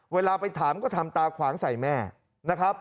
เวลาไปถามก็ทำตาขวางใส่แม่นะครับ